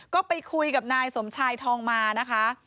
ก็ไปคุยกับนายสมชายทองมานะคะ